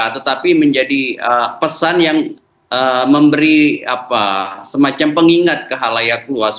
tetapi menjadi pesan yang memberi semacam pengingat ke halayak luas